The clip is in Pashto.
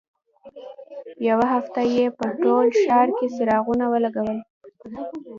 یوه هفته یې په ټول ښار کې څراغونه ولګول.